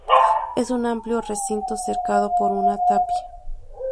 Es un amplio recinto cercado por una tapia.